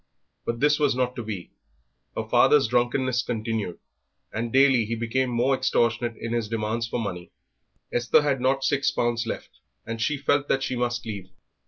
But this was not to be; her father's drunkenness continued, and daily he became more extortionate in his demands for money. Esther had not six pounds left, and she felt that she must leave.